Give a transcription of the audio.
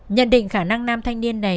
nhận định khả năng nam thanh niên này